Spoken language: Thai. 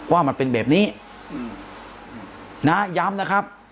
ว่ามันเป็นแบบนี้นะย้ำนะครับ